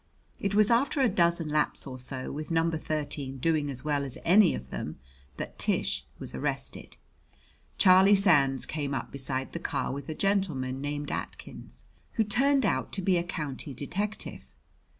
It was after a dozen laps or so, with number thirteen doing as well as any of them, that Tish was arrested. Charlie Sands came up beside the car with a gentleman named Atkins, who turned out to be a county detective.